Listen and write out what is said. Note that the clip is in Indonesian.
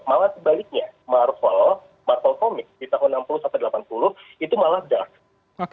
malah sebaliknya marvel marvel comics di tahun enam puluh an sampai delapan puluh an itu malah dark